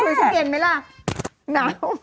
คุณเสื้อเย็นไหมละหนาว